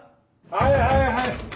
はいはいはい！